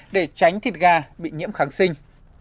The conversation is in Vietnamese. để tránh thịt gà bị nhiễm kháng sinh